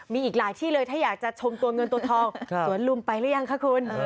มีอีกหลายที่เลยถ้าอยากจะชมตัวเงินตัวทองสวนลุมไปหรือยังคะคุณ